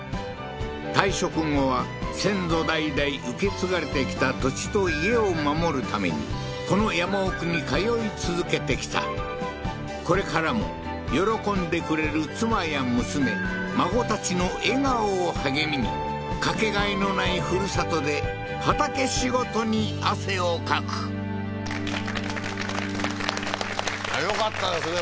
退職後は先祖代々受け継がれてきた土地と家を守るためにこの山奥に通い続けてきたこれからも喜んでくれる妻や娘孫たちの笑顔を励みにかけがえのないふるさとで畑仕事に汗をかくよかったですね